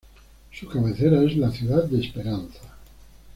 Su cabecera es la ciudad de Esperanza.